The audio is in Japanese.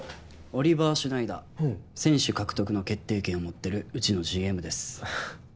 オリバー・シュナイダー選手獲得の決定権を持ってるうちのＧＭです